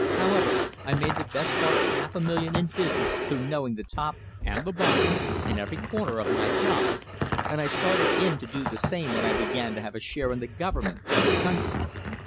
However, I made the best part of half a million in business through knowing the top and the bottom and every corner of my job, and I started in to do the same when I began to have a share in the government of the country.